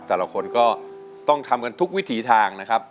แต่ละคนก็ต้องทำกันทุกวิถีทางนะครับ